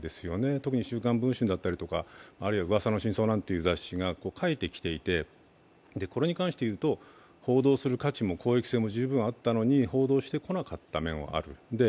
特に「週刊文春」だったり「噂の真相」なんていう雑誌が書いてきてこれに関して言うと、報道する価値も攻撃性も十分あったのに、報道してこなかった面もある。